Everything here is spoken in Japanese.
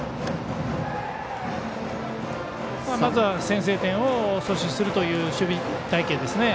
まずは先制点を阻止するという守備隊形ですね。